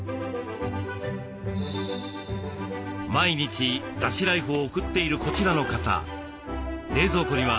毎日だしライフを送っているこちらの方。